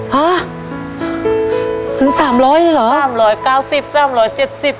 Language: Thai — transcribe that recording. ฮะถึง๓๐๐แล้วเหรอ